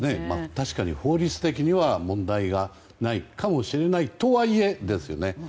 確かに法律的には問題がないかもしれないとはいえですよね。